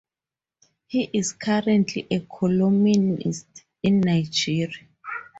He is currently a columnist in Nigeria.